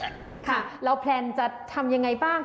ค่ะเราแพลนจะทำยังไงบ้าง